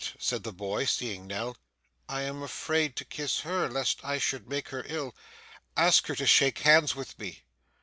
said the boy, seeing Nell. 'I am afraid to kiss her, lest I should make her ill. Ask her to shake hands with me.